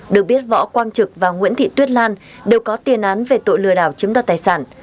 được biết võ quang trực và nguyễn thị tuyết lan đều có tiền án về tội lừa đảo chiếm đoạt tài sản